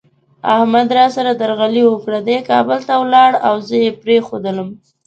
احمد را سره درغلي وکړه، دی کابل ته ولاړ او زه یې پرېښودلم.